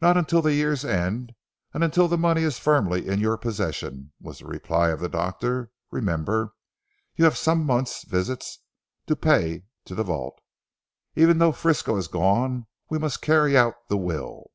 "Not until the year's end, and until the money is firmly in your possession," was the reply of the doctor, "remember you have some months' visits to pay to that vault. Even though Frisco has gone we must carry out the will."